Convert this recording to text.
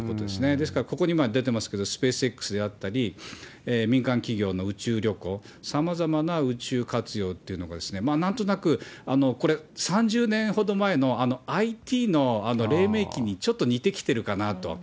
ですから、ここに出てますけれども、スペースＸであったり、民間企業の宇宙旅行、さまざまな宇宙活用というのがなんとなく、これ、３０年ほど前のＩＴの黎明期にちょっと似てきてるかなと。